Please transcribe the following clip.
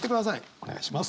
お願いします。